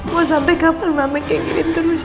mau sampai kapan mama kaya gini terus